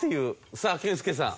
さあ健介さん。